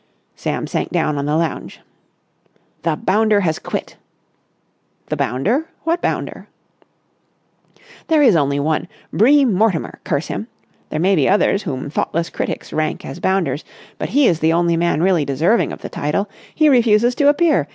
Sam sank down on the lounge. "The bounder has quit!" "The bounder? What bounder?" "There is only one! Bream Mortimer, curse him! There may be others whom thoughtless critics rank as bounders, but he is the only man really deserving of the title. He refuses to appear!